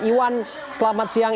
iwan selamat siang